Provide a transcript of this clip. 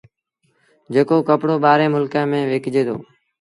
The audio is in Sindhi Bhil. جيڪو ڪپڙو ٻآهريٚݩ ملڪآݩ ميݩ وڪجي دو